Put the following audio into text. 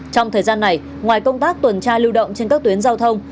trong thời gian này ngoài công tác tuần tra lưu động trên các tuyến giao thông